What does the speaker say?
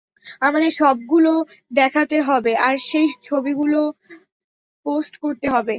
আমাদের সেগুলো দেখাতে হবে, আর সেই ছবিগুলো পোস্ট করতে হবে।